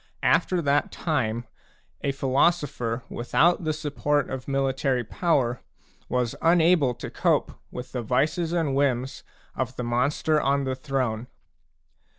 After that time, a philo sopher without the support of military power was unable to cope with the vices and whims of the monster on the throne.